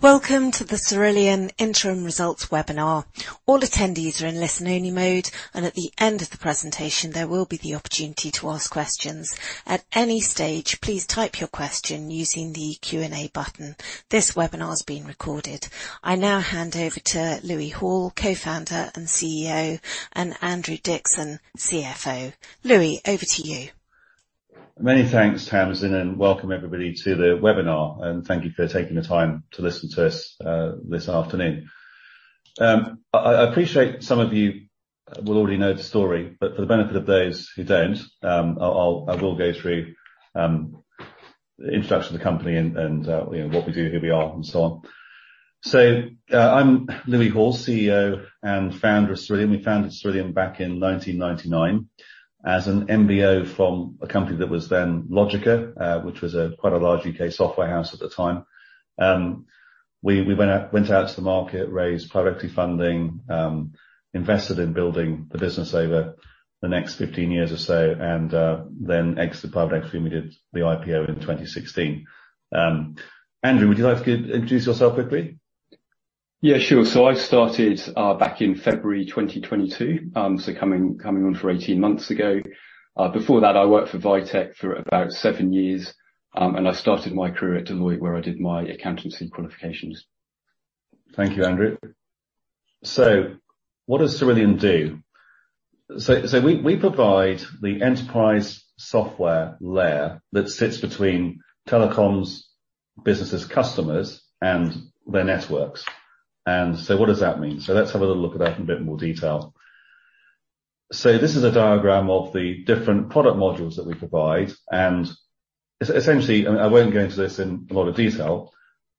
Welcome to the Cerillion interim results webinar. All attendees are in listen-only mode. At the end of the presentation, there will be an opportunity to ask questions. At any stage, please type your question using the Q&A button. This webinar is being recorded. I now hand over to Louis Hall, co-founder and CEO, and Andrew Dickson, CFO. Louis, over to you. Many thanks, Tamsin. Welcome, everybody, to the webinar. Thank you for taking the time to listen to us this afternoon. I appreciate that some of you will already know the story. For the benefit of those who don't, I will go through the introduction to the company and, you know, what we do, who we are, and so on. I'm Louis Hall, CEO and founder of Cerillion. We founded Cerillion back in 1999 as an MBO from a company that was then Logica, which was quite a large U.K. software house at the time. We went out to the market, raised private equity funding, and invested in building the business over the next 15 years or so. Then exited private equity when we did the IPO in 2016. Andrew, would you like to introduce yourself quickly? Yeah, sure. I started back in February 2022, so coming on for 18 months ago. Before that, I worked for Vitec for about seven years, and I started my career at Deloitte, where I did my accountancy qualifications. Thank you, Andrew. What does Cerillion do? We provide the enterprise software layer that sits between telecoms businesses, customers, and their networks. What does that mean? Let's have a little look at that in a bit more detail. This is a diagram of the different product modules that we provide, and essentially, I won't go into this in a lot of detail,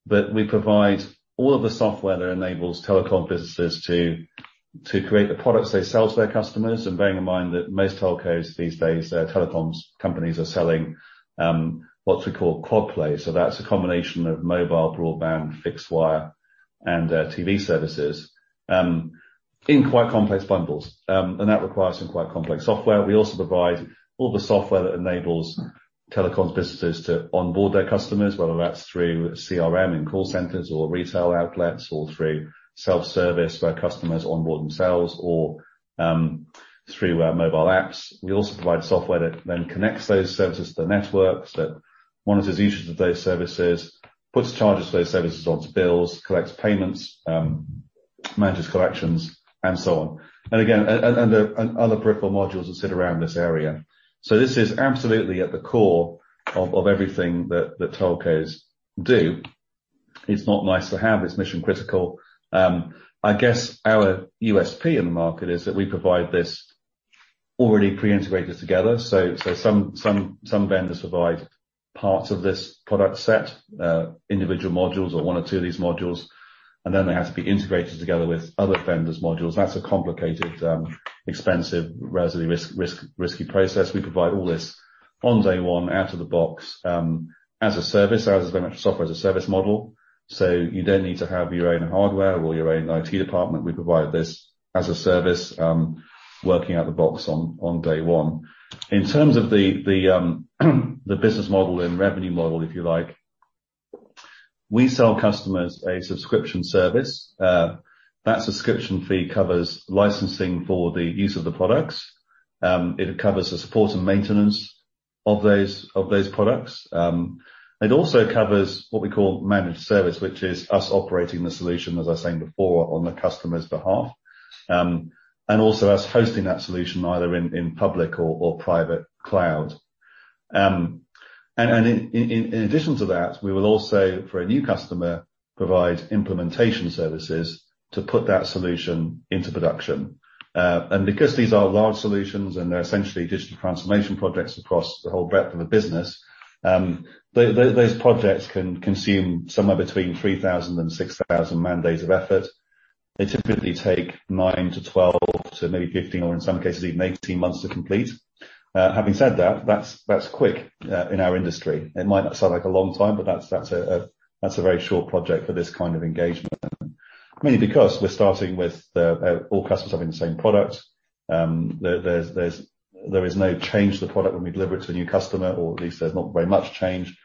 but we provide all of the software that enables telecom businesses to create the products they sell to their customers. Bearing in mind that most telcos these days, telecoms companies are selling what we call quad play. That's a combination of mobile broadband, fixed wire, and TV services, in quite complex bundles. That requires some quite complex software. We also provide all the software that enables telecoms businesses to onboard their customers, whether that's through CRM in call centers or retail outlets, or through self-service where customers onboard themselves or through our mobile apps. We also provide software that then connects those services to the networks, that monitors usage of those services, puts charges for those services onto bills, collects payments, manages collections and so on. Again, other peripheral modules sit around this area. This is absolutely at the core of everything that telcos do. It's not nice to have. It's mission-critical. I guess our USP in the market is that we provide this already pre-integrated together. Some vendors provide parts of this product set, individual modules or one or two of these modules, and then they have to be integrated together with other vendors modules. That's a complicated, expensive, relatively risky process. We provide all this on day one out of the box, as a service, as very much Software as a Service model. You don't need to have your own hardware or your own IT department. We provide this as a service, working out the box on day one. In terms of the business model and revenue model, if you like, we sell customers a subscription service. That subscription fee covers licensing for the use of the products. It covers the support and maintenance of those products. It also covers what we call managed service, which is us operating the solution, as I was saying before, on the customer's behalf, and also us hosting that solution either in public or private cloud. In addition to that, we will also, for a new customer, provide implementation services to put that solution into production. Because these are large solutions and they're essentially digital transformation projects across the whole breadth of the business, those projects can consume somewhere between 3,000 and 6,000 man-days of effort. They typically take nine to 12 to maybe 15 or in some cases even 18 months to complete. Having said that's quick in our industry. It might sound like a long time, but that's a very short project for this kind of engagement. Mainly because we're starting with the all customers having the same product. There is no change to the product when we deliver it to a new customer, or at least there's not very much change.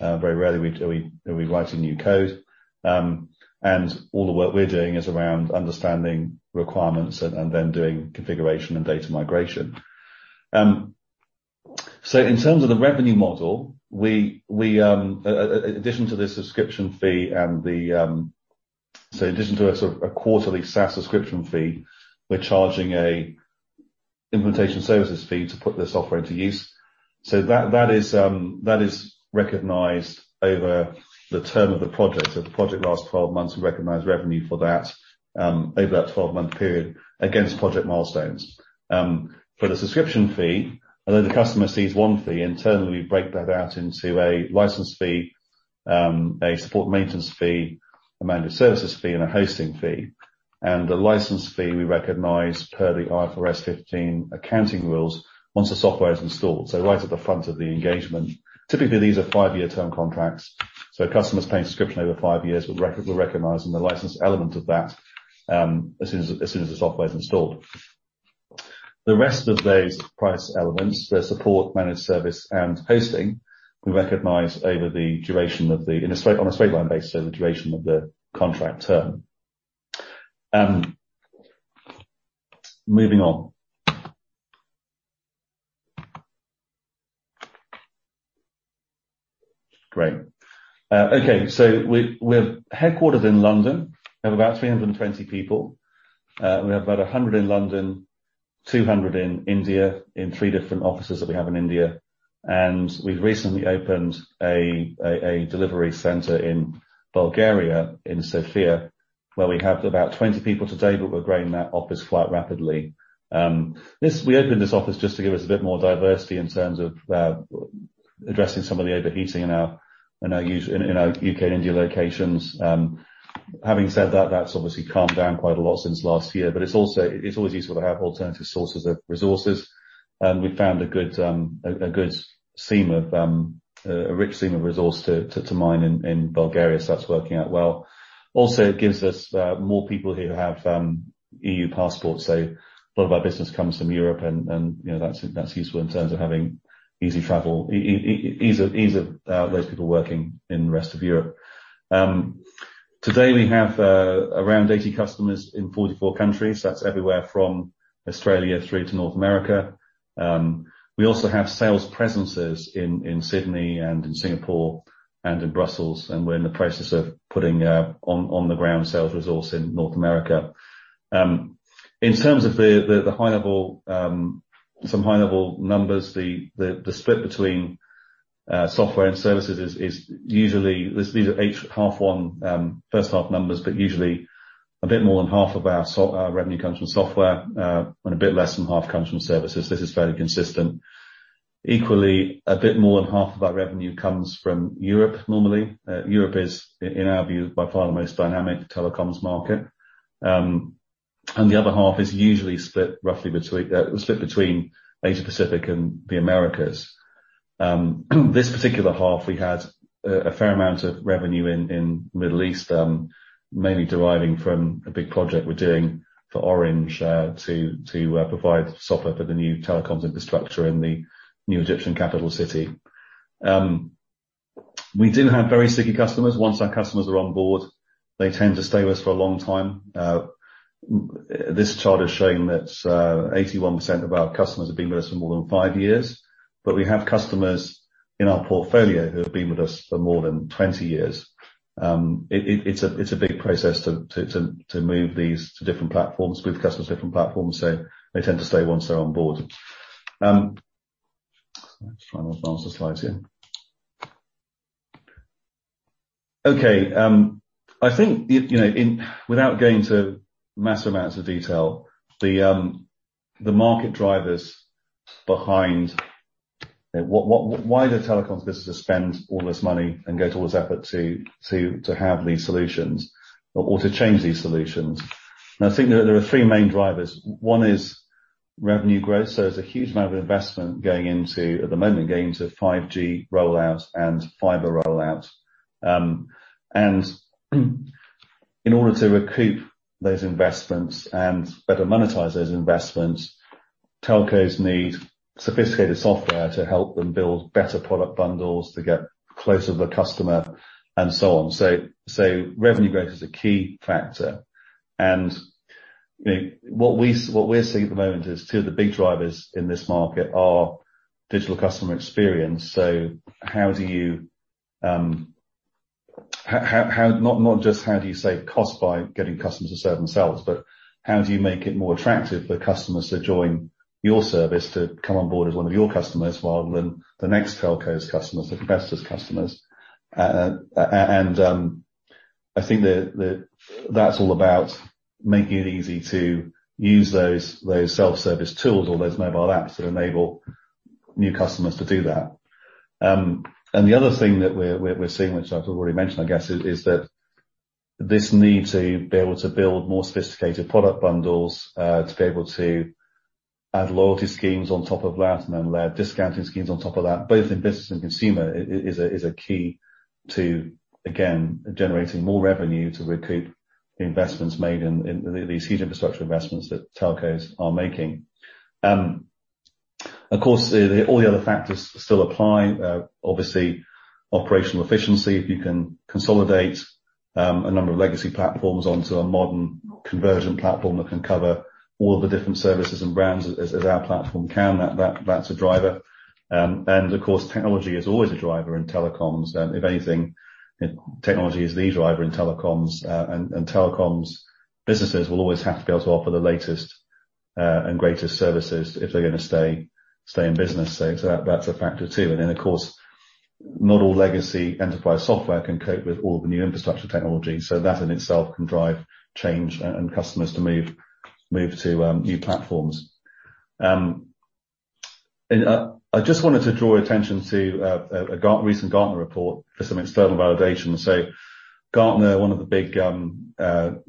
Very rarely we're writing new code. All the work we're doing is around understanding requirements and then doing configuration and data migration. In terms of the revenue model, in addition to a sort of a quarterly SaaS subscription fee, we're charging an implementation services fee to put the software into use. That is recognized over the term of the project. If the project lasts 12 months, we recognize revenue for that over that 12-month period against project milestones. For the subscription fee, although the customer sees one fee, internally, we break that out into a license fee, a support maintenance fee, a managed services fee and a hosting fee. The license fee we recognize per the IFRS 15 accounting rules once the software is installed, so right at the front of the engagement. Typically, these are five-year term contracts, so customers paying subscription over five years, we're recognizing the license element of that as soon as the software is installed. The rest of those price elements, the support managed service and hosting, we recognize on a straight line basis over the duration of the contract term. Moving on. Great. Okay. We're headquartered in London. We have about 320 people. We have about 100 in London, 200 in India, in three different offices that we have in India. We've recently opened a delivery center in Bulgaria, in Sofia, where we have about 20 people today, but we're growing that office quite rapidly. We opened this office just to give us a bit more diversity in terms of addressing some of the overheating in our U.K. and India locations. Having said that's obviously calmed down quite a lot since last year, but it's always useful to have alternative sources of resources. We found a good, a good seam of a rich seam of resource to mine in Bulgaria. That's working out well. It gives us more people who have E.U. passports. A lot of our business comes from Europe and, you know, that's useful in terms of having easy travel. Ease of those people working in the rest of Europe. Today we have around 80 customers in 44 countries. That's everywhere from Australia through to North America. We also have sales presences in Sydney and in Singapore and in Brussels, and we're in the process of putting a on the ground sales resource in North America. In terms of the high level, some high-level numbers, the split between software and services is usually These are first half numbers, but usually a bit more than half of our software revenue comes from software, and a bit less than half comes from services. This is fairly consistent. Equally, a bit more than half of our revenue comes from Europe, normally. Europe is in our view, by far the most dynamic telecoms market. And the other half is usually split roughly between Asia-Pacific and the Americas. This particular half, we had a fair amount of revenue in Middle East, mainly deriving from a big project we're doing for Orange, to provide software for the new telecoms infrastructure in the new Egyptian capital city. We do have very sticky customers. Once our customers are on board, they tend to stay with us for a long time. This chart is showing that 81% of our customers have been with us for more than five years. We have customers in our portfolio who have been with us for more than 20 years. It's a big process to move these to different platforms, move customers to different platforms, so they tend to stay once they're on board. Try and advance the slides here. Okay. I think if, you know, Without going into mass amounts of detail, the market drivers behind Why do telecom businesses spend all this money and go to all this effort to have these solutions or to change these solutions? I think that there are three main drivers. One is revenue growth. There's a huge amount of investment going into, at the moment, going into 5G rollout and fiber rollout. In order to recoup those investments and better monetize those investments, telcos need sophisticated software to help them build better product bundles to get closer to the customer and so on. Revenue growth is a key factor. You know, what we, what we're seeing at the moment is two of the big drivers in this market are digital customer experience. How do you Not just how do you save cost by getting customers to serve themselves, but how do you make it more attractive for customers to join your service, to come on board as one of your customers rather than the next telco's customers, the competitor's customers. I think that's all about making it easy to use those self-service tools or those mobile apps that enable new customers to do that. The other thing that we're seeing, which I've already mentioned, I guess, is that this need to be able to build more sophisticated product bundles, to be able to add loyalty schemes on top of that, and then layer discounting schemes on top of that, both in business and consumer, is a key to, again, generating more revenue to recoup the investments made in these huge infrastructure investments that telcos are making. Of course, all the other factors still apply. Obviously operational efficiency, if you can consolidate a number of legacy platforms onto a modern conversion platform that can cover all the different services and brands as our platform can, that's a driver. Of course, technology is always a driver in telecoms. If anything, technology is the driver in telecoms. Telecoms businesses will always have to be able to offer the latest and greatest services if they're gonna stay in business. That's a factor, too. Of course, not all legacy enterprise software can cope with all the new infrastructure technology. That in itself can drive change and customers to move to new platforms. I just wanted to draw attention to a recent Gartner report for some external validation. Gartner, one of the big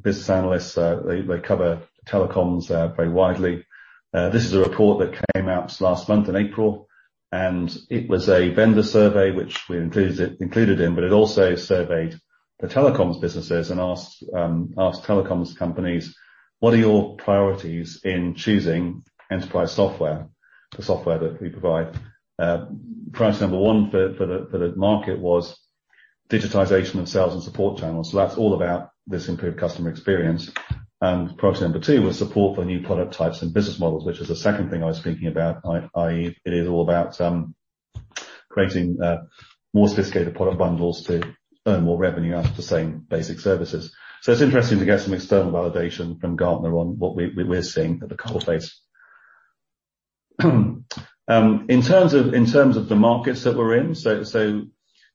business analysts, they cover telecoms very widely. This is a report that came out just last month in April. It was a vendor survey which we included in, but it also surveyed the telecoms businesses and asked telecoms companies, "What are your priorities in choosing enterprise software?" The software that we provide. Priority number one for the market was digitization of sales and support channels. That's all about this improved customer experience. Priority number two was support for new product types and business models, which is the second thing I was thinking about, i.e., it is all about creating more sophisticated product bundles to earn more revenue off the same basic services. It's interesting to get some external validation from Gartner on what we're seeing at the core base. In terms of the markets that we're in, so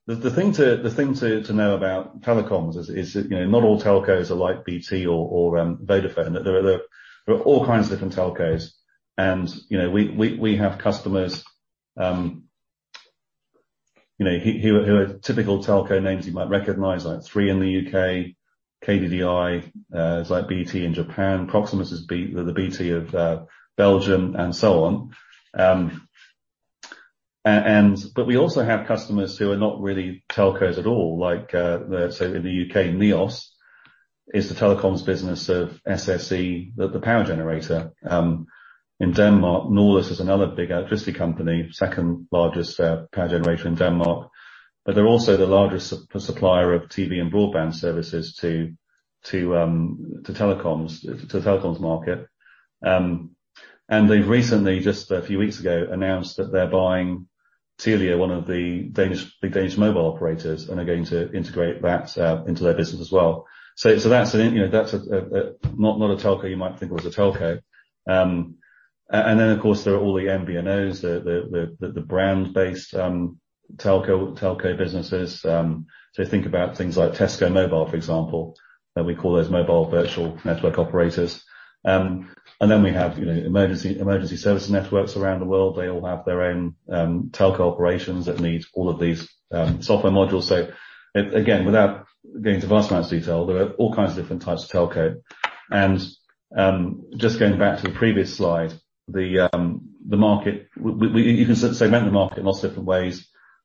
the thing to know about telecoms is that, you know, not all telcos are like BT or Vodafone. There are all kinds of different telcos. You know, we have customers, you know, who are typical telco names you might recognize, like Three in the U.K., KDDI is like BT in Japan, Proximus is the BT of Belgium, and so on. But we also have customers who are not really telcos at all, like, so in the U.K., Neos is the telecoms business of SSE, the power generator. In Denmark, Norlys is another big electricity company, the second largest power generation in Denmark, but they're also the largest supplier of TV and broadband services to the telecoms market. They've recently, just a few weeks ago, announced that they're buying Telia, one of the big Danish mobile operators, and are going to integrate that into their business as well. You know, that's not a telco you might think of as a telco. Of course, there are all the MVNOs, the brand-based telco businesses. Think about things like Tesco Mobile, for example, we call those Mobile Virtual Network Operators. We have, you know, Emergency Services Networks around the world. They all have their own telco operations that need all of these software modules. Again, without going into vast amounts of detail, there are all kinds of different types of telco. Just going back to the previous slide, the market. You can segment the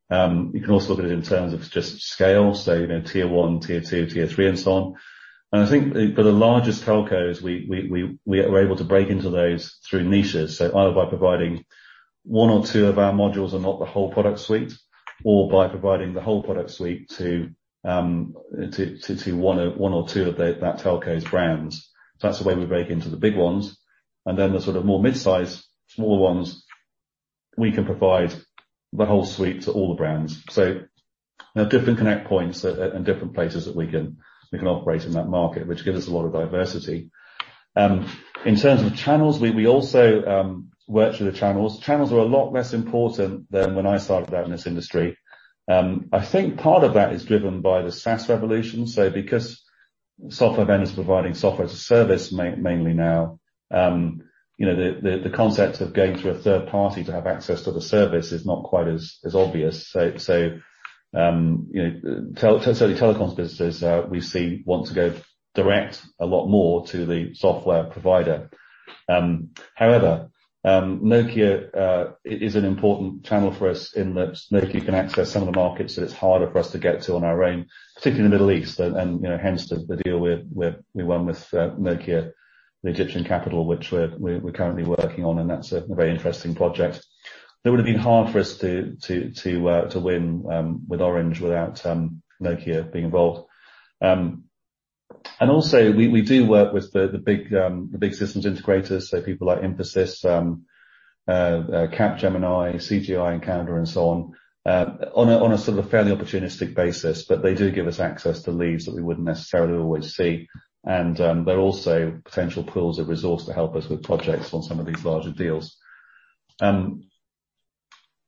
market in lots of different ways. You can also look at it in terms of just scale, so, you know, Tier 1, Tier 2, and Tier 3, and so on. I think for the largest telcos, we are able to break into those through niches. Either by providing one or two of our modules and not the whole product suite, or by providing the whole product suite to one or two of that telco's brands. That's the way we break into the big ones. The sort of more mid-size, smaller ones, we can provide the whole suite to all the brands. There are different connect points and different places that we can operate in that market, which gives us a lot of diversity. In terms of channels, we also work through the channels. Channels are a lot less important than when I started out in this industry. I think part of that is driven by the SaaS revolution. Because software vendors are providing software as a service mainly now, you know, the concept of going through a third party to have access to the service is not quite as obvious. You know, certainly telecoms businesses, we've seen want to go direct a lot more to the software provider. However, Nokia is an important channel for us in that Nokia can access some of the markets that it's harder for us to get to on our own, particularly in the Middle East. You know, hence the deal with, we won with Nokia, the Egyptian capital, which we're currently working on, and that's a very interesting project. That would've been hard for us to win with Orange without Nokia being involved. Also, we do work with the big systems integrators, so people like Infosys, Capgemini, CGI in Canada and so on a sort of fairly opportunistic basis. They do give us access to leads that we wouldn't necessarily always see. They're also potential pools of resource to help us with projects on some of these larger deals.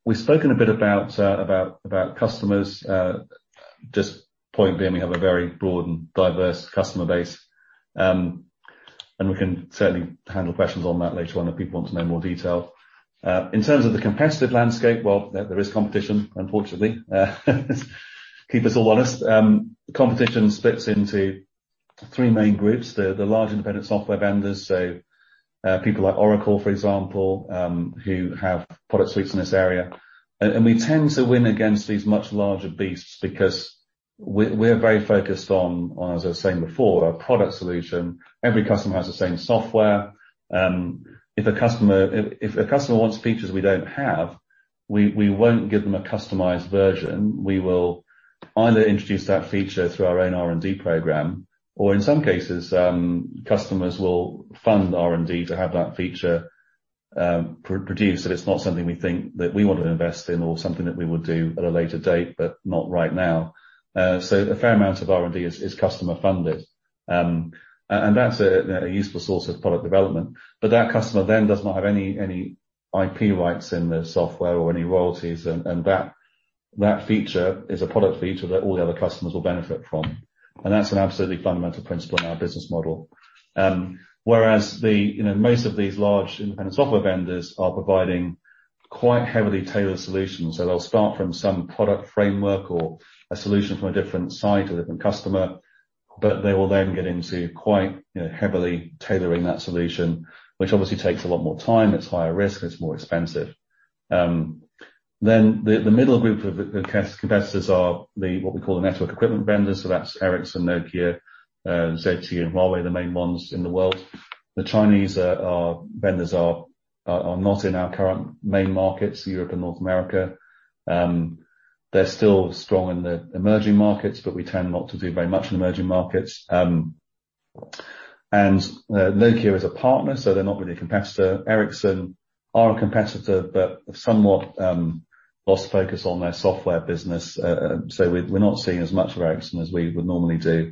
We've spoken a bit about customers. Just point being, we have a very broad and diverse customer base. And we can certainly handle questions on that later on if people want to know more detail. In terms of the competitive landscape, well, there is competition, unfortunately. Keep us all honest. Competition splits into three main groups, the large independent software vendors, so, people like Oracle, for example, who have product suites in this area. And we tend to win against these much larger beasts because we're very focused on, as I was saying before, our product solution. Every customer has the same software. If a customer wants features we don't have, we won't give them a customized version. We will either introduce that feature through our own R&D program, or in some cases, customers will fund R&D to have that feature, produced, if it's not something we think that we want to invest in or something that we will do at a later date, but not right now. So a fair amount of R&D is customer funded. And that's a useful source of product development. That customer then does not have any IP rights in the software or any royalties. That feature is a product feature that all the other customers will benefit from. That's an absolutely fundamental principle in our business model. Whereas the... You know, most of these large independent software vendors are providing quite heavily tailored solutions. They'll start from some product framework or a solution from a different site or different customer. But they will then get into quite, you know, heavily tailoring that solution, which obviously takes a lot more time, it's higher risk, it's more expensive. Then the middle group of competitors are the, what we call the network equipment vendors. That's Ericsson, Nokia, ZTE, and Huawei, the main ones in the world. The Chinese vendors are not in our current main markets, Europe and North America. They're still strong in the emerging markets, but we tend not to do very much in emerging markets. Nokia is a partner, so they're not really a competitor. Ericsson are a competitor, but have somewhat lost focus on their software business. So we're not seeing as much of Ericsson as we would normally do.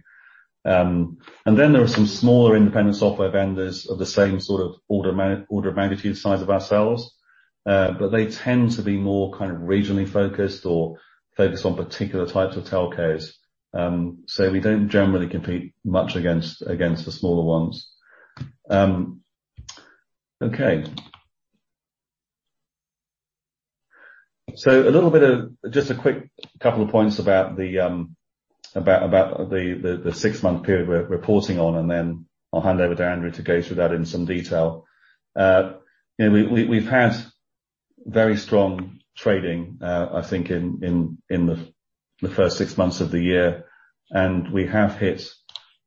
And then there are some smaller independent software vendors of the same sort of order of magnitude size of ourselves. But they tend to be more kind of regionally focused or focused on particular types of telcos. So we don't generally compete much against the smaller ones. Okay. So a little bit of. Just a quick couple of points about the six-month period we're reporting on, and then I'll hand over to Andrew to go through that in some detail. You know, we've had very strong trading, I think in the first six months of the year. We have hit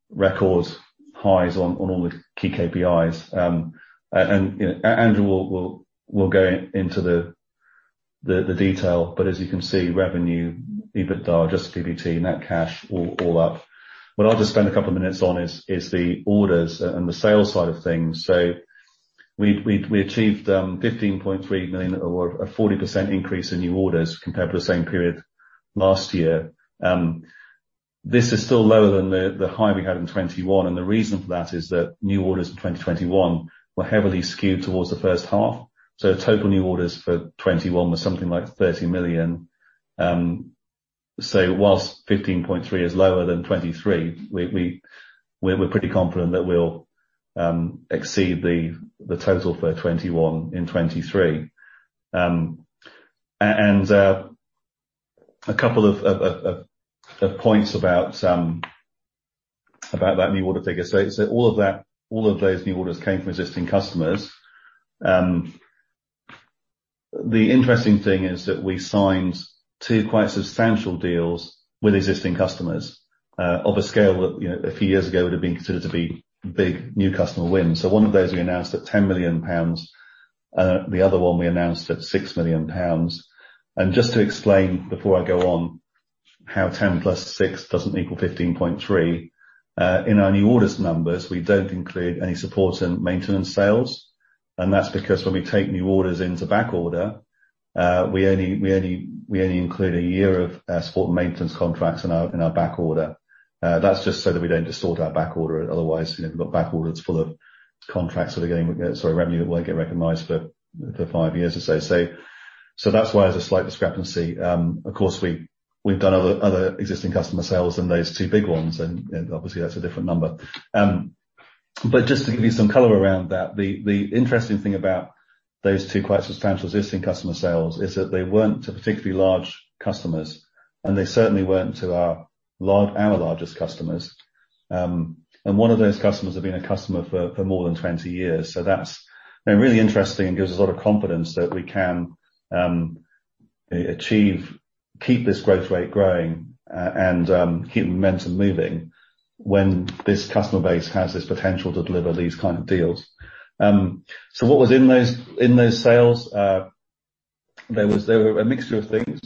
record highs on all the key KPIs. You know, Andrew will go into the details, but as you can see, revenue, EBITDA, adjusted PBT, net cash, all up. What I'll just spend a couple of minutes on is the orders and the sales side of things. We achieved 15.3 million or a 40% increase in new orders, compared to the same period last year. This is still lower than the high we had in 2021. The reason for that is that new orders in 2021 were heavily skewed towards the first half. Total new orders for 2021 was something like 30 million. Whilst 15.3 million is lower than 23 million, we're pretty confident that we'll exceed the total for 2021 in 2023. A couple of points about that new order figure. All of that, all of those new orders came from existing customers. The interesting thing is that we signed two quite substantial deals with existing customers of a scale that, you know, a few years ago, would have been considered to be big new customer wins. One of those we announced at 10 million pounds, the other one we announced at 6 million pounds. Just to explain, before I go on, how 10 plus 6 doesn't equal 15.3 in our new orders numbers, we don't include any support and maintenance sales. That's because when we take new orders into backorder, we only include a year of support and maintenance contracts in our backorder. That's just so that we don't distort our backorder. Otherwise, you know, we've got backorders full of contracts that are getting. Sorry, revenue that won't get recognized for five years or so. So that's why there's a slight discrepancy. Of course, we've done other existing customer sales than those two big ones, and obviously, that's a different number. Just to give you some color around that, the interesting thing about those two quite substantial existing customer sales is that they weren't particularly large customers, and they certainly weren't to our largest customers. One of those customers had been a customer for more than 20 years. That's, you know, really interesting and gives us a lot of confidence that we can keep this growth rate growing and keep momentum moving when this customer base has this potential to deliver these kind of deals. What was in those sales? They were a mixture of things.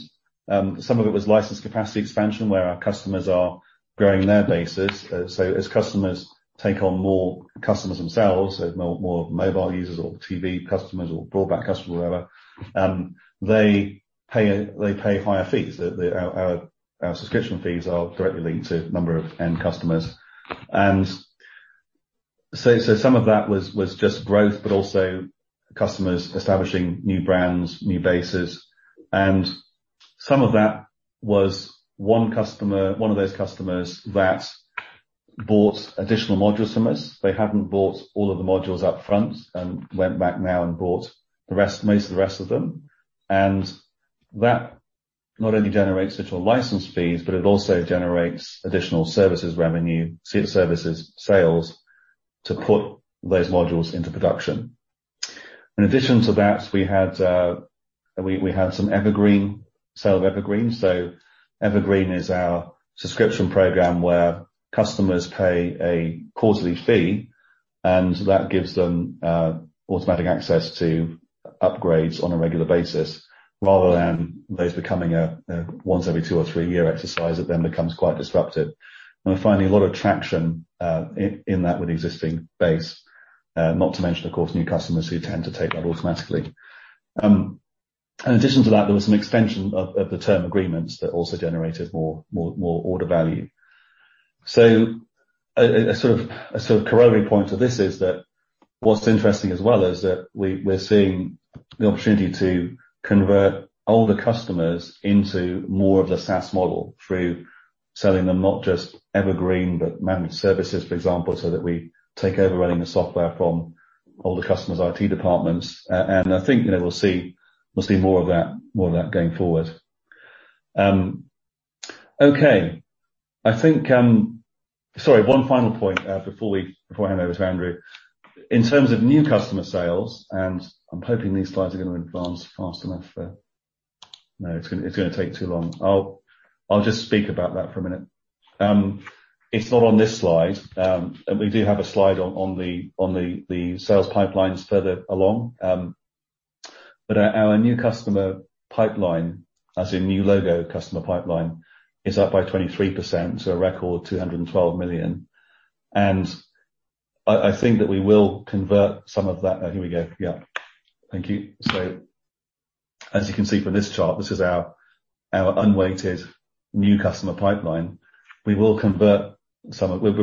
Some of it was license capacity expansion, where our customers are growing their bases. As customers take on more customers themselves, so more mobile users or TV customers or broadband customers, whatever, they pay higher fees. Our subscription fees are directly linked to number of end customers. So some of that was just growth, but also customers establishing new brands, new bases, and some of that was one customer, one of those customers that bought additional modules from us. They hadn't bought all of the modules up front and went back now and bought the rest, most of the rest of them. That not only generates digital license fees, but it also generates additional services revenue, services sales to put those modules into production. In addition to that, we had some Evergreen, sale of Evergreen. Evergreen is our subscription program where customers pay a quarterly fee, and that gives them automatic access to upgrades on a regular basis, rather than those becoming a once every two or three year exercise that then becomes quite disruptive. We're finding a lot of traction in that with existing base, not to mention, of course, new customers who tend to take that automatically. In addition to that, there was some extension of the term agreements that also generated more order value. A sort of corollary point to this is that what's interesting as well is that we're seeing the opportunity to convert older customers into more of the SaaS model through selling them not just Evergreen, but managed services, for example, so that we take over running the software from all the customers' IT departments. I think, you know, we'll see more of that, more of that going forward. Okay. I think Sorry, one final point before we, before I hand over to Andrew. In terms of new customer sales, I'm hoping these slides are gonna advance fast enough for... No, it's gonna take too long. I'll just speak about that for a minute. It's not on this slide. We do have a slide on the sales pipelines further along. Our new customer pipeline, as in new logo customer pipeline, is up by 23% to a record 212 million. I think that we will convert some of that. Oh, here we go. Yeah. Thank you. As you can see from this chart, this is our unweighted new customer pipeline. We're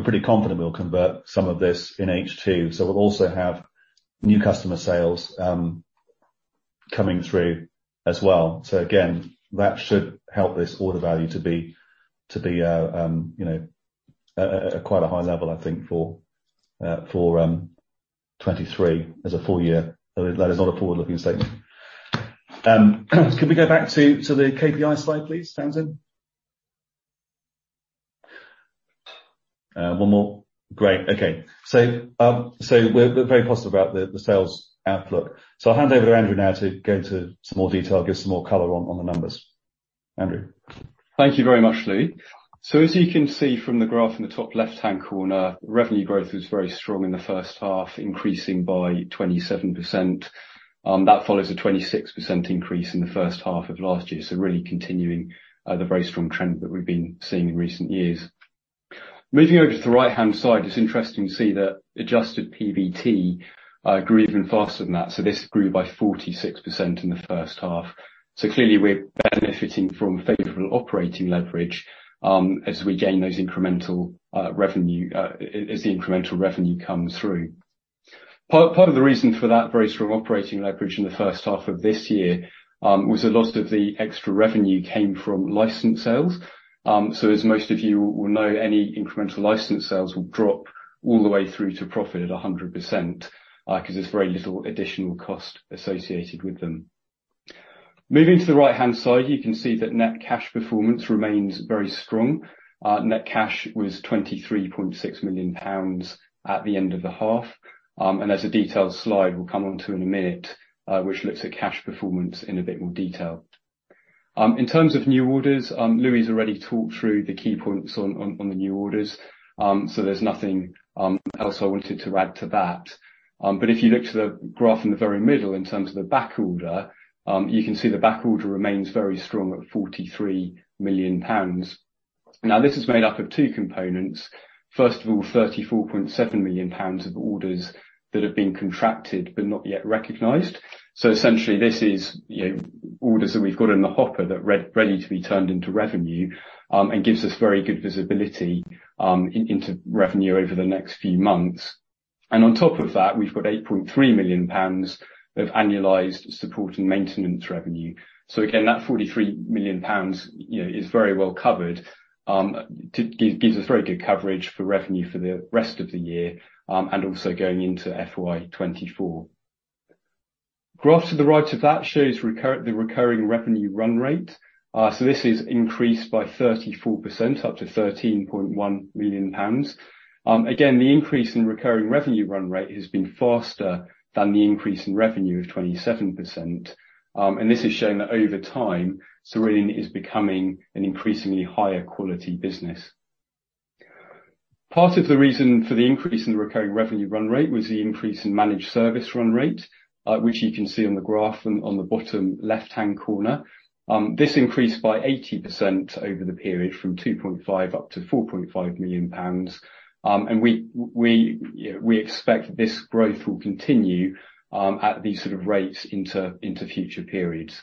pretty confident we'll convert some of this in H2. We'll also have new customer sales coming through as well. Again, that should help this order value to be, you know, at quite a high level, I think, for 2023 as a full year. That is not a forward-looking statement. Could we go back to the KPI slide, please, Tamsin? One more. Great. Okay. We're very positive about the sales outlook. I'll hand over to Andrew now to go into some more detail, give some more color on the numbers. Andrew. Thank you very much, Louis. As you can see from the graph in the top left-hand corner, revenue growth was very strong in the first half, increasing by 27%. That follows a 26% increase in the first half of last year, really continuing the very strong trend that we've been seeing in recent years. Moving over to the right-hand side, it's interesting to see that adjusted PBT grew even faster than that, this grew by 46% in the first half. Clearly we're benefiting from favorable operating leverage, as we gain those incremental revenue as the incremental revenue comes through. Part of the reason for that very strong operating leverage in the first half of this year, was a lot of the extra revenue came from license sales. As most of you will know, any incremental license sales will drop all the way through to profit at 100%, 'cause there's very little additional cost associated with them. Moving to the right-hand side, you can see that net cash performance remains very strong. Net cash was 23.6 million pounds at the end of the half. There's a detailed slide we'll come onto in a minute, which looks at cash performance in a bit more detail. In terms of new orders, Louis already talked through the key points on the new orders. There's nothing else I wanted to add to that. If you look to the graph in the very middle in terms of the backorder, you can see the backorder remains very strong at 43 million pounds. This is made up of two components. First of all, 34.7 million pounds of orders that have been contracted but not yet recognized. Essentially this is, you know, orders that we've got in the hopper that ready to be turned into revenue, and gives us very good visibility into revenue over the next few months. On top of that, we've got 8.3 million pounds of annualized support and maintenance revenue. Again, that 43 million pounds, you know, is very well covered, gives us very good coverage for revenue for the rest of the year, and also going into FY 2024. Graph to the right of that shows the recurring revenue run rate. This is increased by 34% up to 13.1 million pounds. Again, the increase in recurring revenue run rate has been faster than the increase in revenue of 27%. This is showing that over time, Cerillion is becoming an increasingly higher quality business. Part of the reason for the increase in the recurring revenue run rate was the increase in managed service run rate, which you can see on the graph on the bottom left-hand corner. This increased by 80% over the period from 2.5 million up to 4.5 million pounds. We, you know, we expect this growth will continue at these sort of rates into future periods.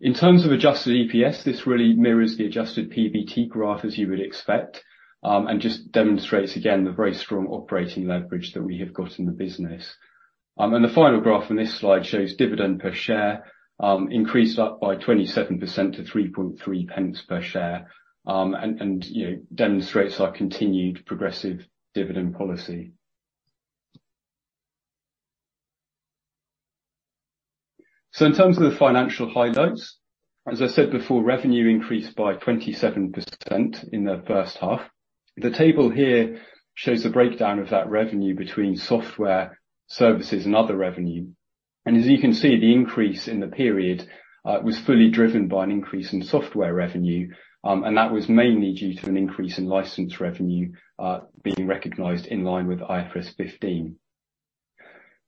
In terms of adjusted EPS, this really mirrors the adjusted PBT graph as you would expect, and just demonstrates again the very strong operating leverage that we have got in the business. The final graph in this slide shows the dividend per share increased up by 27% to 3.3 pence per share, which, demonstrates our continued progressive dividend policy. In terms of the financial highlights, as I said before, revenue increased by 27% in the first half. The table here shows the breakdown of that revenue between software, services, and other revenue. As you can see, the increase in the period was fully driven by an increase in software revenue, and that was mainly due to an increase in license revenue being recognized in line with IFRS 15.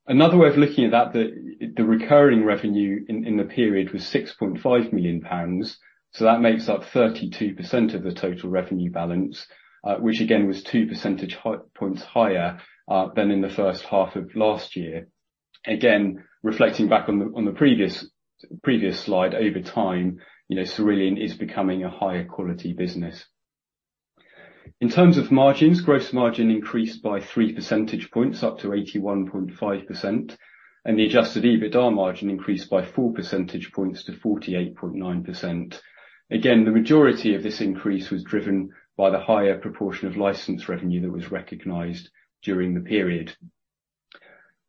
Another way of looking at that, the recurring revenue in the period was 6.5 million pounds, so that makes up 32% of the total revenue balance, which again was two percentage points higher than in the first half of last year. Again, reflecting back on the previous slide, over time, you know, Cerillion is becoming a higher quality business. In terms of margins, gross margin increased by three percentage points to 81.5%, and the Adjusted EBITDA margin increased by four percentage points to 48.9%. Again, the majority of this increase was driven by the higher proportion of license revenue that was recognized during the period.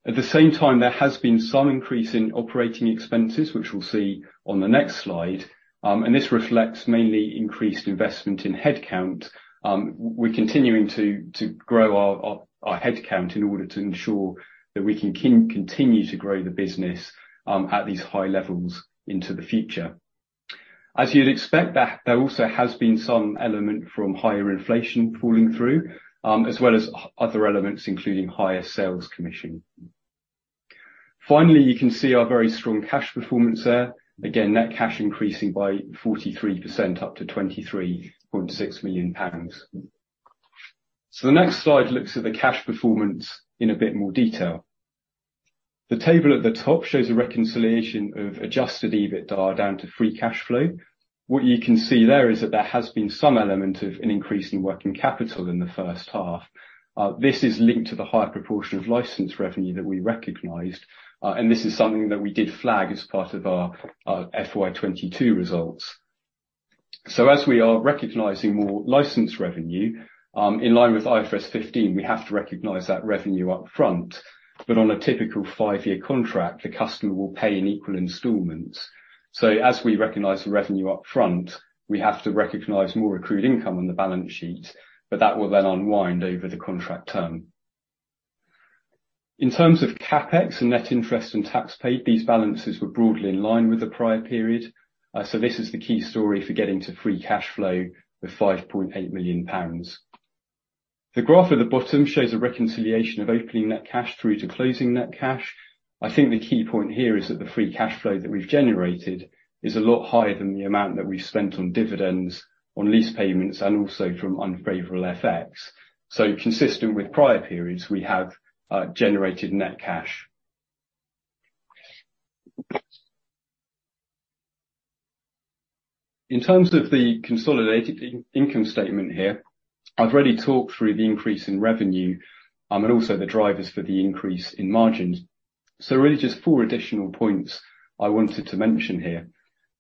At the same time, there has been some increase in operating expenses, which we'll see on the next slide. This reflects mainly increased investment in headcount. We're continuing to grow our headcount in order to ensure that we can continue to grow the business at these high levels into the future. As you'd expect, there also has been some element from higher inflation falling through, as well as other elements, including higher sales commission. Finally, you can see our very strong cash performance there. Again, net cash increasing by 43% up to 23.6 million pounds. The next slide looks at the cash performance in a bit more detail. The table at the top shows a reconciliation of Adjusted EBITDA down to free cash flow. What you can see there is that there has been some element of an increase in working capital in the first half. This is linked to the higher proportion of license revenue that we recognized, and this is something that we did flag as part of our FY 2022 results. As we are recognizing more license revenue, in line with IFRS 15, we have to recognize that revenue up front. On a typical five-year contract, the customer will pay in equal installments. As we recognize the revenue up front, we have to recognize more accrued income on the balance sheet, but that will then unwind over the contract term. In terms of CapEx and net interest and tax paid, these balances were broadly in line with the prior period. This is the key story for getting to free cash flow of 5.8 million pounds. The graph at the bottom shows a reconciliation of opening net cash through to closing net cash. I think the key point here is that the free cash flow that we've generated is a lot higher than the amount that we spent on dividends, on lease payments, and also from unfavorable FX. Consistent with prior periods, we have generated net cash. In terms of the consolidated income statement here, I've already talked through the increase in revenue and also the drivers for the increase in margins. Really just four additional points I wanted to mention here.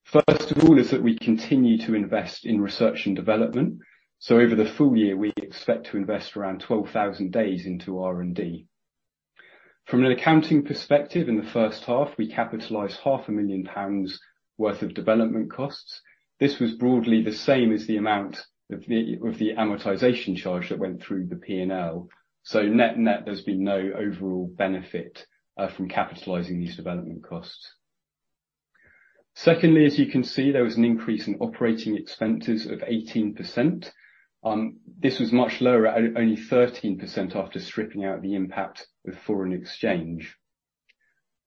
First of all, is that we continue to invest in research and development. Over the full year, we expect to invest around 12,000 days into R&D. From an accounting perspective, in the first half, we capitalized half a million GBP worth of development costs. This was broadly the same as the amount of the amortization charge that went through the P&L. Net-net, there's been no overall benefit from capitalizing these development costs. Secondly, as you can see, there was an increase in operating expenses of 18%. This was much lower, only 13% after stripping out the impact of foreign exchange.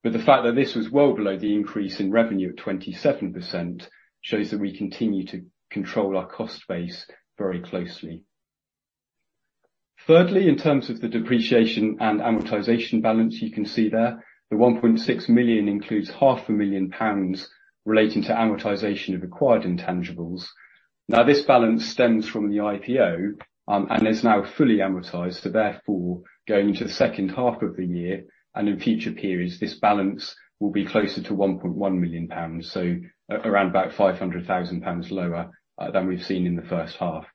The fact that this was well below the increase in revenue of 27% shows that we continue to control our cost base very closely. Thirdly, in terms of the depreciation and amortization balance, you can see there the 1.6 million includes half a million pounds relating to amortization of acquired intangibles. This balance stems from the IPO and is now fully amortized. Therefore, going into the second half of the year and in future periods, this balance will be closer to 1.1 million pounds, so around about 500,000 pounds lower than we've seen in the first half.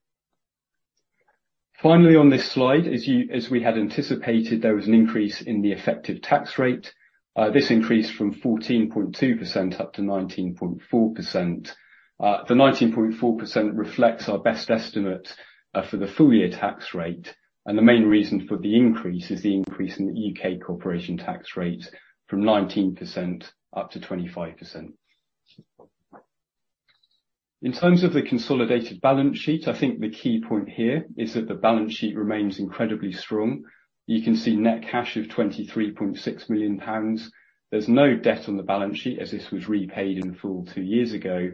Finally, on this slide, as we had anticipated, there was an increase in the effective tax rate. This increased from 14.2% up to 19.4%. The 19.4% reflects our best estimate for the full year tax rate, and the main reason for the increase is the increase in the U.K. corporation tax rate from 19% up to 25%. In terms of the consolidated balance sheet, I think the key point here is that the balance sheet remains incredibly strong. You can see net cash of 23.6 million pounds. There's no debt on the balance sheet as this was repaid in full two years ago.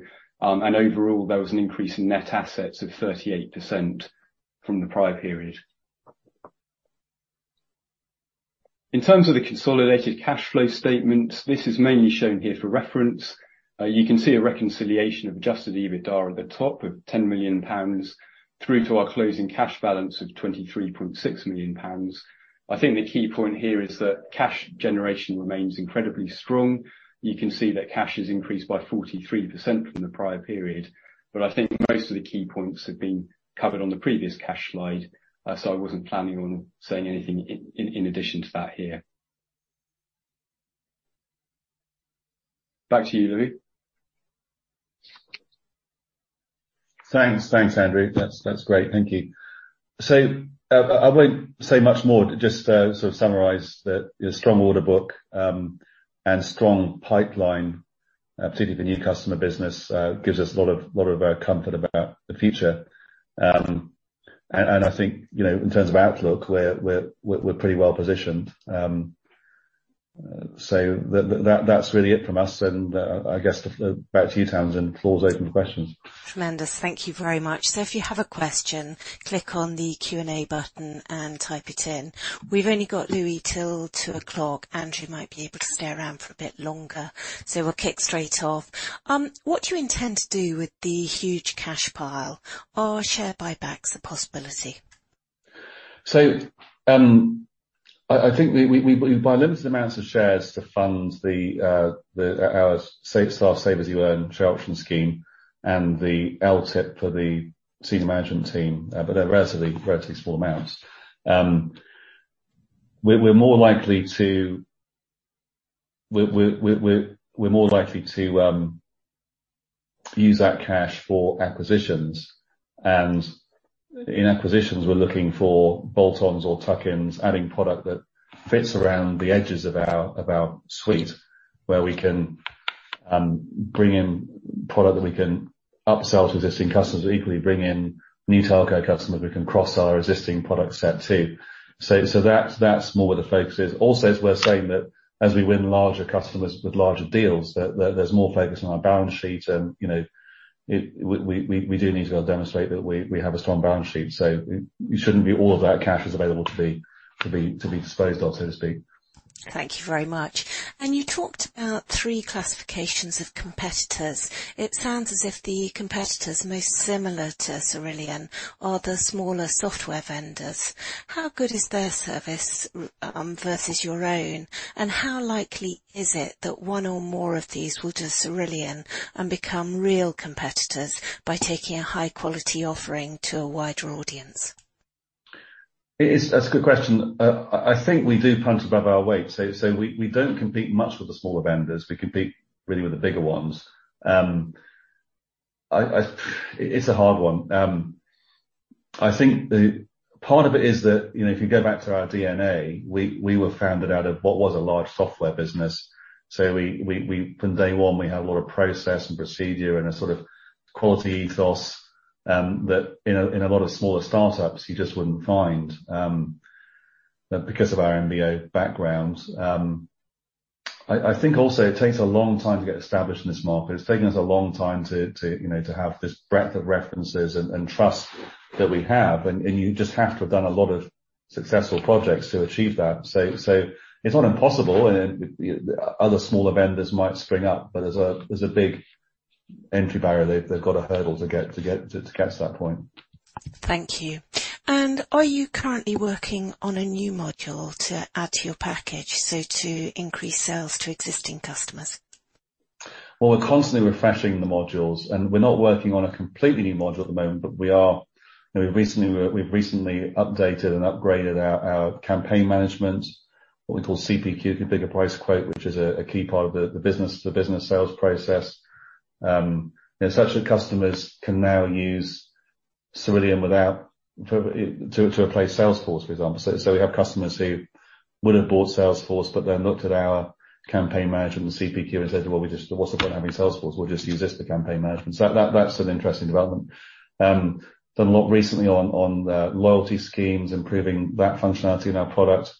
Overall, there was an increase in net assets of 38% from the prior period. In terms of the consolidated cash flow statement, this is mainly shown here for reference. You can see a reconciliation of Adjusted EBITDA at the top of 10 million pounds through to our closing cash balance of 23.6 million pounds. I think the key point here is that cash generation remains incredibly strong. You can see that cash has increased by 43% from the prior period, but I think most of the key points have been covered on the previous cash slide, so I wasn't planning on saying anything in addition to that here. Back to you, Louis. Thanks, Andrew. That's great. Thank you. I won't say much more to just sort of summarize that your strong order book and strong pipeline, particularly the new customer business, gives us a lot of comfort about the future. I think, you know, in terms of outlook, we're pretty well positioned. That's really it from us and I guess back to you, Tamsin. Floor's open for questions. Tremendous. Thank you very much. If you have a question, click on the Q&A button and type it in. We've only got Louis till 2:00 P.M. Andrew might be able to stay around for a bit longer. We'll kick straight off. What do you intend to do with the huge cash pile? Are share buybacks a possibility? I think we buy limited amounts of shares to fund the staff Save As You Earn share option scheme and the LTIP for the senior management team, but they're relatively small amounts. We're more likely to We're more likely to use that cash for acquisitions. In acquisitions, we're looking for bolt-ons or tuck-ins, adding product that fits around the edges of our suite, where we can bring in product that we can upsell to existing customers, or equally bring in new telco customers we can cross-sell our existing product set too. That's more where the focus is. Also, it's worth saying that as we win larger customers with larger deals, there's more focus on our balance sheet and, you know, we do need to be able to demonstrate that we have a strong balance sheet. It shouldn't be all of that cash is available to be disposed of, so to speak. Thank you very much. You talked about three classifications of competitors. It sounds as if the competitors most similar to Cerillion are the smaller software vendors. How good is their service versus your own? How likely is it that one or more of these will do Cerillion and become real competitors by taking a high quality offering to a wider audience? That's a good question. I think we do punch above our weight. We don't compete much with the smaller vendors. We compete really with the bigger ones. It's a hard one. I think part of it is that, you know, if you go back to our DNA, we were founded out of what was a large software business. From day one, we had a lot of process and procedure and a sort of quality ethos that in a lot of smaller startups, you just wouldn't find, because of our MBO background. I think also it takes a long time to get established in this market. It's taken us a long time to, you know, to have this breadth of references and trust that we have. You just have to have done a lot of successful projects to achieve that. It's not impossible, and other smaller vendors might spring up, but there's a big entry barrier. They've got a hurdle to get to that point. Thank you. Are you currently working on a new module to add to your package, so to increase sales to existing customers? Well, we're constantly refreshing the modules, and we're not working on a completely new module at the moment. You know, we've recently updated and upgraded our campaign management, which we call CPQ, Configure, Price, Quote, which is a key part of the business sales process. In such that customers can now use Cerillion to replace Salesforce, for example. We have customers who would have bought Salesforce, but they looked at our campaign management CPQ and said, "Well, what's the point of having Salesforce? We'll just use this for campaign management." That's an interesting development. Done a lot recently on loyalty schemes, improving that functionality in our product.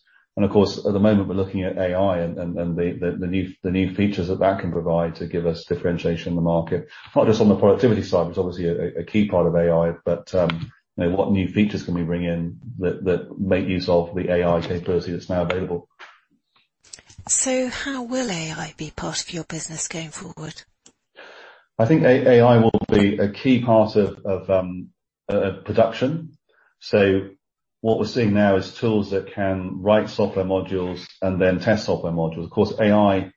Of course, at the moment, we're looking at AI and the new features that can provide to give us differentiation in the market. Not just on the productivity side, which is obviously a key part of AI, but, you know, what new features can we bring in that make use of the AI capability that's now available. How will AI be part of your business going forward? I think AI will be a key part of production. What we're seeing now is tools that can write software modules and then test software modules. Of course, AI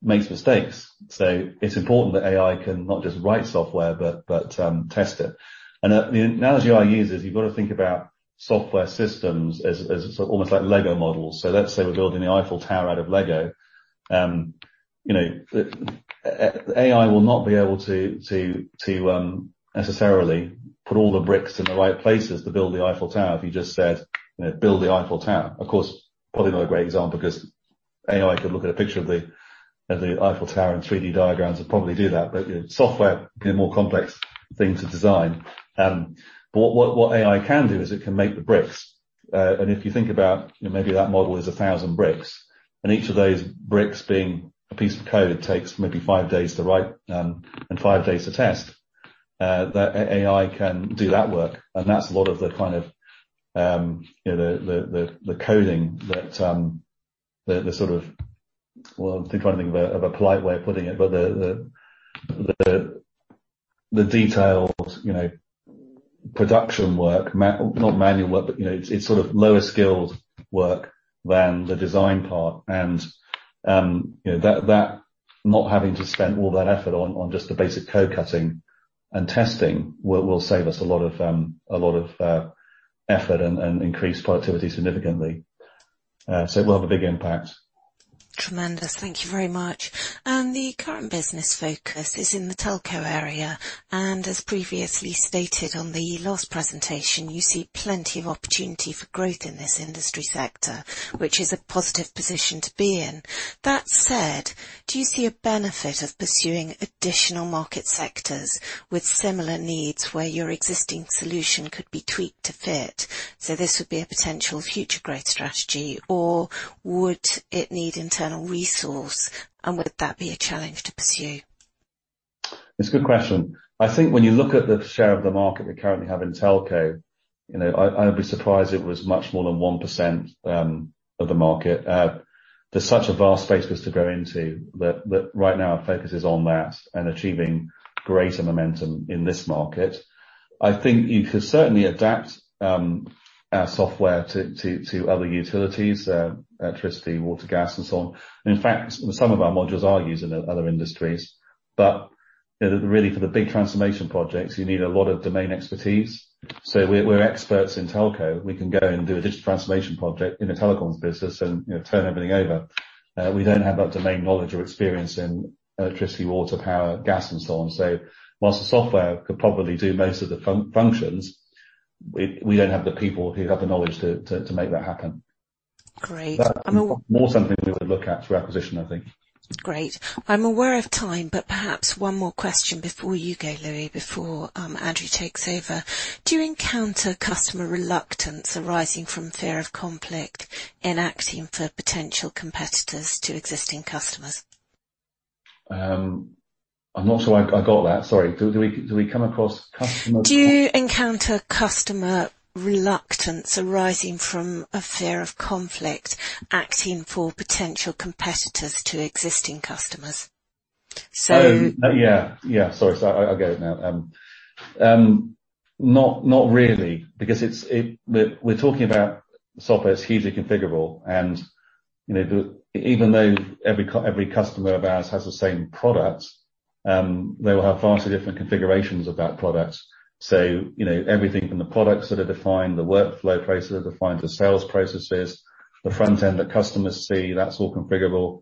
makes mistakes, so it's important that AI can not just write software but also test it. Now, as you are users, you've got to think about software systems as almost like Lego models. Let's say we're building the Eiffel Tower out of Lego. You know, AI will not be able to necessarily put all the bricks in the right places to build the Eiffel Tower if you just said, you know, "Build the Eiffel Tower." Of course, probably not a great example because AI could look at a picture of the Eiffel Tower and 3D diagrams and probably do that. You know, software can be a more complex thing to design. What AI can do is it can make the bricks. If you think about, you know, maybe that model is 1,000 bricks, and each of those bricks being a piece of code, it takes maybe five days to write, and five days to test. The AI can do that work, that's a lot of the kind of, you know, the coding that. Well, I'm trying to think of a polite way of putting it, the detailed, you know, production work. Not manual work, but, you know, it's sort of lower-skilled work than the design part. You know, that not having to spend all that effort on just the basic code cutting and testing will save us a lot of effort and increase productivity significantly. It will have a big impact. Tremendous. Thank you very much. The current business focus is in the telco area, and as previously stated on the last presentation, you see plenty of opportunity for growth in this industry sector, which is a positive position to be in. That said, do you see a benefit of pursuing additional market sectors with similar needs where your existing solution could be tweaked to fit, so this would be a potential future growth strategy, or would it need internal resource, and would that be a challenge to pursue? It's a good question. I think when you look at the share of the market we currently have in telco, you know, I would be surprised if it was much more than 1% of the market. There's such a vast space for us to go into that right now our focus is on that and achieving greater momentum in this market. I think you could certainly adapt our software to other utilities, electricity, water, gas and so on. In fact, some of our modules are used in other industries. Really for the big transformation projects, you need a lot of domain expertise. We're experts in telco. We can go and do a digital transformation project in the telecoms business and, you know, turn everything over. We don't have that domain knowledge or experience in electricity, water, power, gas, and so on. Whilst the software could probably do most of the functions, we don't have the people who have the knowledge to make that happen. Great. That is more something we would look at through acquisition, I think. Great. I'm aware of time. Perhaps one more question before you go, Louis, before Andrew takes over. Do you encounter customer reluctance arising from fear of conflict in acting for potential competitors to existing customers? I'm not sure I got that. Sorry. Do we come across? Do you encounter customer reluctance arising from a fear of conflict acting for potential competitors to existing customers? Yeah. Yeah. Sorry. I get it now. Not really because we're talking about software that's hugely configurable and, you know, even though every customer of ours has the same product, they will have vastly different configurations of that product. you know, everything from the products that are defined, the workflow processes that defines the sales processes, the front end the customers see, that's all configurable.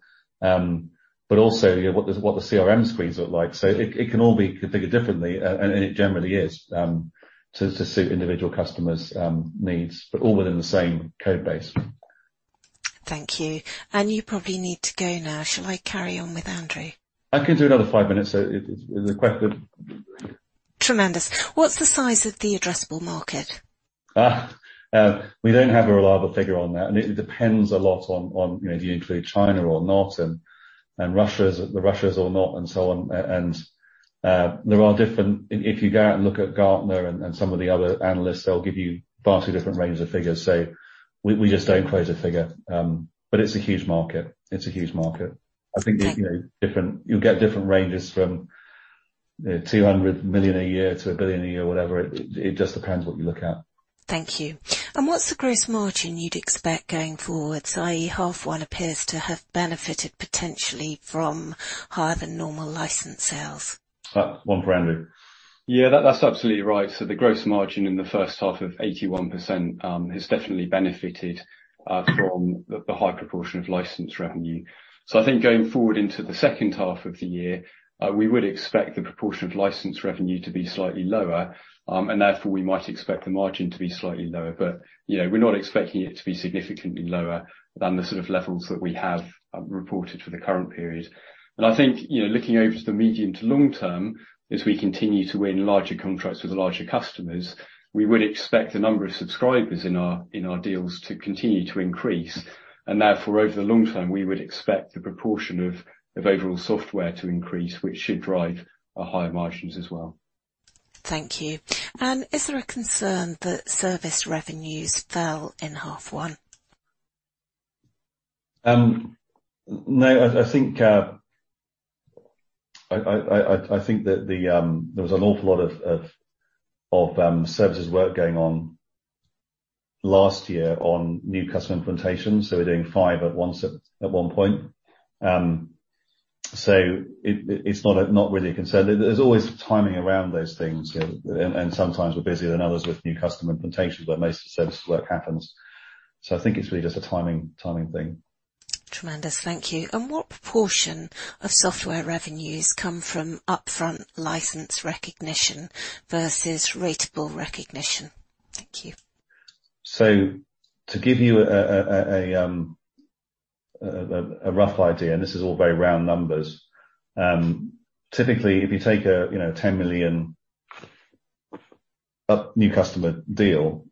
Also, you know, what the CRM screens look like. It can all be configured differently. It generally is to suit individual customers' needs, but all within the same code base. Thank you. You probably need to go now. Shall I carry on with Andrew? I can do another five minutes. If there's a question. Tremendous. What's the size of the addressable market? We don't have a reliable figure on that, and it depends a lot on, you know, do you include China or not, and Russia's, the Russia or not, and so on. There are different. If you go out and look at Gartner and some of the other analysts, they'll give you vastly different range of figures. We just don't quote a figure. It's a huge market. It's a huge market. I think, you know, you'll get different ranges from, you know, 200 million a year to 1 billion a year, whatever. It just depends what you look at. Thank you. What's the gross margin you'd expect going forward? i.e. half one appears to have benefited potentially from higher than normal license sales. One for Andrew. Yeah. That's absolutely right. The gross margin in the first half of 81% has definitely benefited from the high proportion of license revenue. I think going forward into the second half of the year, we would expect the proportion of license revenue to be slightly lower, and therefore, we might expect the margin to be slightly lower. You know, we're not expecting it to be significantly lower than the sort of levels that we have reported for the current period. I think, you know, looking over to the medium to long term, as we continue to win larger contracts with larger customers, we would expect the number of subscribers in our deals to continue to increase. Therefore, over the long term, we would expect the proportion of overall software to increase, which should drive our higher margins as well. Thank you. Is there a concern that service revenues fell in half one? No, I think that there was an awful lot of services work going on last year on new customer implementations, so we're doing five at once at one point. It's not really a concern. There's always timing around those things, you know, and sometimes we're busier than others with new customer implementations where most of the services work happens. I think it's really just a timing thing. Tremendous. Thank you. What proportion of software revenues come from upfront license recognition versus ratable recognition? Thank you. To give you a rough idea, and this is all very round numbers. Typically, if you take a, you know, 10 million up a new customer deal,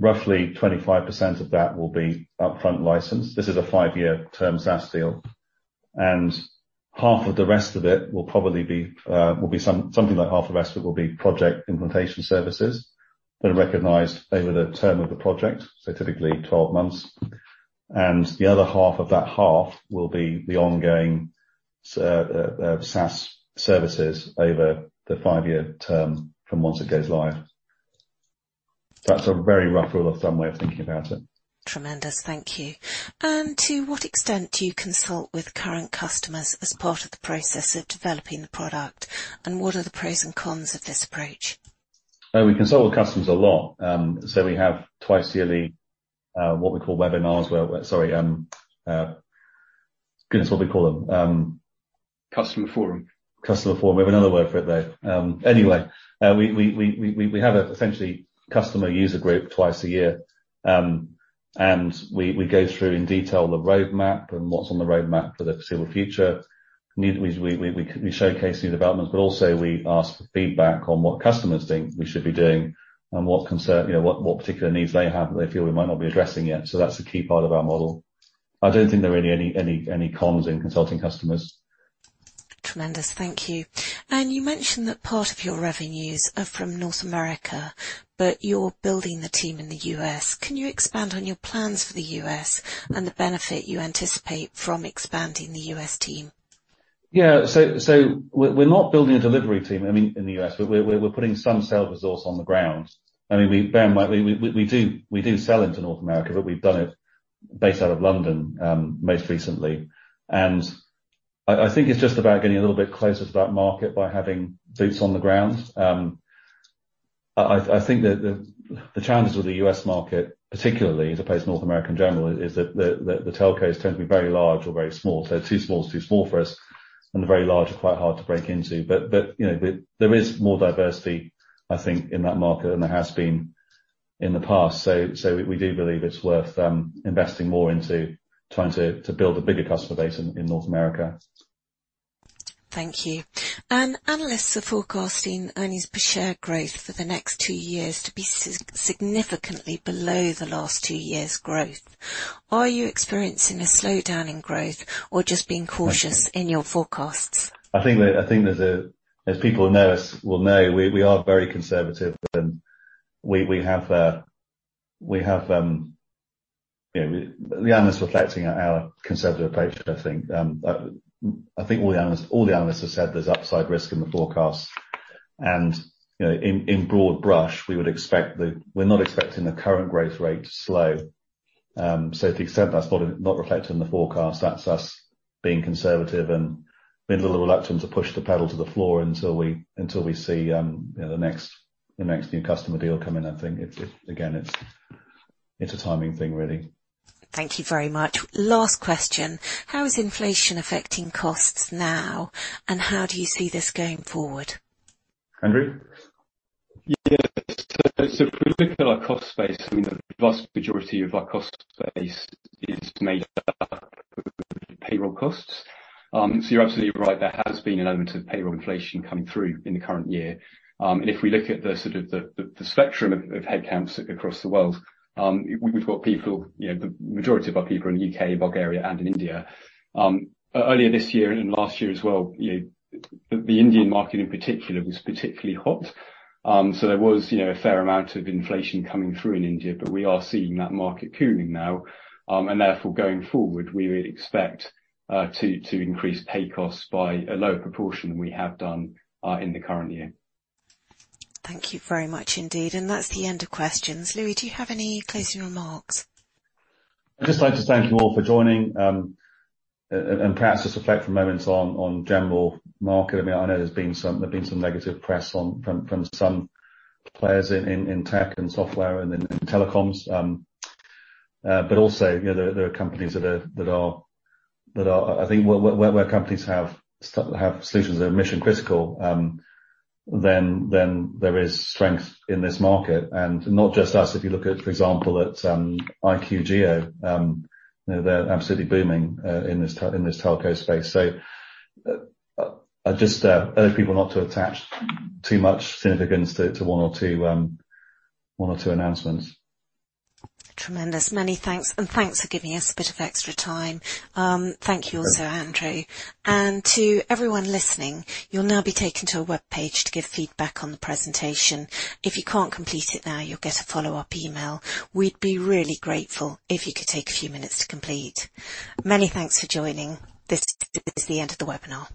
roughly 25% of that will be upfront license. This is a five-year term SaaS deal, and half of the rest of it will probably be something like half the rest of it will be project implementation services that are recognized over the term of the project, so typically 12 months. The other half of that half will be the ongoing SaaS services over the five-year term from once it goes live. That's a very rough rule of thumb way of thinking about it. Tremendous. Thank you. To what extent do you consult with current customers as part of the process of developing the product? What are the pros and cons of this approach? We consult with customers a lot. We have twice yearly, what we call webinars where what we call them? Customer forum. Customer forum. We have another word for it, though. Anyway, we have a essentially customer user group twice a year. We go through in detail the roadmap and what's on the roadmap for the foreseeable future. We showcase new developments, but also we ask for feedback on what customers think we should be doing and what concern, you know, what particular needs they have that they feel we might not be addressing yet. That's a key part of our model. I don't think there are really any cons in consulting customers. Tremendous. Thank you. You mentioned that part of your revenues are from North America, but you're building the team in the U.S. Can you expand on your plans for the U.S. and the benefit you anticipate from expanding the U.S. team? We're not building a delivery team, I mean, in the U.S., but we're putting some sales resource on the ground. I mean, bear in mind, we do sell into North America, but we've done it based out of London most recently. I think it's just about getting a little bit closer to that market by having boots on the ground. I think the challenges with the U.S. market, particularly as opposed to North America in general, is that the telcos tend to be very large or very small. Too small is too small for us, and the very large are quite hard to break into. You know, there is more diversity, I think, in that market than there has been in the past. We do believe it's worth investing more into trying to build a bigger customer base in North America. Thank you. Analysts are forecasting earnings per share growth for the next two years to be significantly below the last two years' growth. Are you experiencing a slowdown in growth or just being cautious... Mm. in your forecasts? I think there's a. As people know us will know we are very conservative, and we have, you know, the analysts reflecting our conservative approach, I think. I think all the analysts have said there's upside risk in the forecast. You know, in broad brush, We're not expecting the current growth rate to slow. So to the extent that's not reflected in the forecast, that's us being conservative and being a little reluctant to push the pedal to the floor until we see, you know, the next new customer deal come in. I think it's, again, it's a timing thing really. Thank you very much. Last question. How is inflation affecting costs now, and how do you see this going forward? Andrew? Yes. If we look at our cost base, I mean, the vast majority of our cost base is made up of payroll costs. You're absolutely right, there has been an element of payroll inflation coming through in the current year. And if we look at the spectrum of headcounts across the world, we've got people, you know, the majority of our people are in the U.K., Bulgaria, and in India. Earlier this year and last year as well, you know, the Indian market in particular was particularly hot. There was, you know, a fair amount of inflation coming through in India, but we are seeing that market cooling now. Therefore going forward, we would expect to increase pay costs by a lower proportion than we have done in the current year. Thank you very much indeed. That's the end of questions. Louis, do you have any closing remarks? I'd just like to thank you all for joining, and perhaps just reflect for a moment on general market. I mean, I know there's been some negative press from some players in tech and software and in telecoms. Also, you know, there are companies that are, I think where companies have solutions that are mission-critical, then there is strength in this market. Not just us. If you look at, for example, at IQGeo, you know, they're absolutely booming in this telco space. I just urge people not to attach too much significance to one or two announcements. Tremendous. Many thanks. Thanks for giving us a bit of extra time. Thank you also, Andrew. To everyone listening, you'll now be taken to a webpage to give feedback on the presentation. If you can't complete it now, you'll get a follow-up email. We'd be really grateful if you could take a few minutes to complete. Many thanks for joining. This is the end of the webinar.